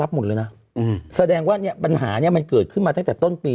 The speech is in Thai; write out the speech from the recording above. หมดเลยนะอืมแสดงว่าเนี่ยปัญหาเนี้ยมันเกิดขึ้นมาตั้งแต่ต้นปี